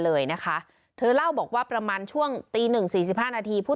เลยนะคะเธอเล่าบอกว่าประมาณช่วงตีหนึ่งสี่สิบห้านาทีผู้